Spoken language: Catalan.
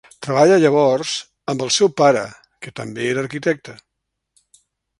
Treballa llavors amb el seu pare, que també era arquitecte.